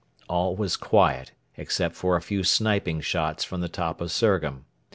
All was quiet, except for a few 'sniping' shots from the top of Surgham.